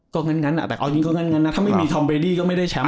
ก็งั้นแต่เอาจริงก็งั้นนะถ้าไม่มีทอมเบดี้ก็ไม่ได้แชมป